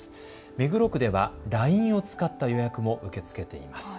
目黒区ではＬＩＮＥを使った予約も受け付けています。